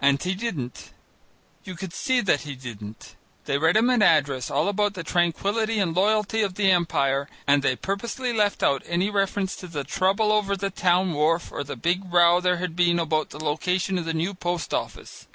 And he didn't, you could see that he didn't. They read him an address all about the tranquillity and loyalty of the Empire, and they purposely left out any reference to the trouble over the town wharf or the big row there had been about the location of the new post office.